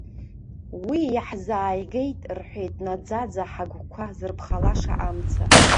Уи иаҳзааигеит, рҳәеит, наӡаӡа ҳагәқәа зырԥхалаша амца.